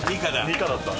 ニカだった。